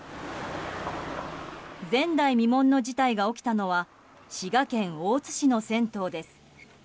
前代未聞の事態が起きたのは滋賀県大津市の銭湯です。